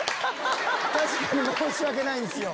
確かに申し訳ないんですよ。